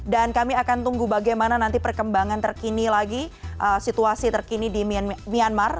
dan kami akan tunggu bagaimana nanti perkembangan terkini lagi situasi terkini di myanmar